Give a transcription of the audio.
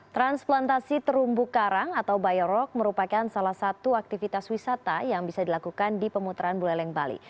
transplantasi terumbu karang atau biorog merupakan salah satu aktivitas wisata yang bisa dilakukan di pemutaran buleleng bali